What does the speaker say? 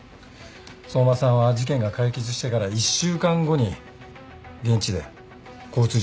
相馬さんは事件が解決してから１週間後に現地で交通事故で亡くなってる。